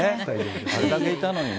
あれだけいたのにね。